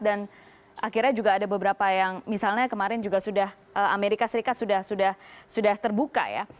dan akhirnya juga ada beberapa yang misalnya kemarin juga sudah amerika serikat sudah terbuka ya